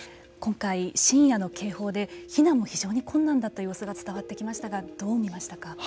今回、深夜の警報で避難も非常に困難だった様子が伝わってきましたがどう見ましたか。